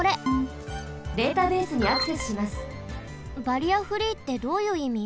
バリアフリーってどういういみ？